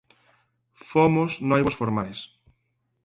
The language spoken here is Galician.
Fomos noivos formais.